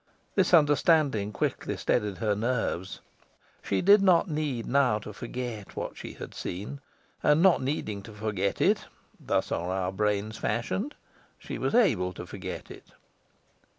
This understanding quickly steadied her nerves. She did not need now to forget what she had seen; and, not needing to forget it thus are our brains fashioned she was able to forget it.